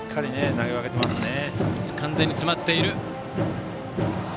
完全に詰まっている。